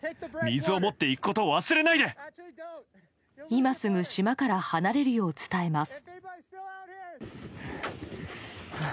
今すぐ島から離れるよう伝えます。